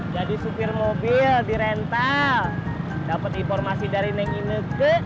jadi supir mobil di rental dapet informasi dari neng ineke